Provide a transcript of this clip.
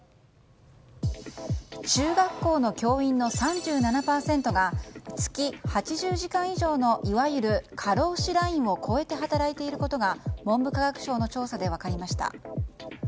中学校の教員の３７％が月８０時間以上のいわゆる過労死ラインを超えて働いていることが文部科学省の調査で分かりました。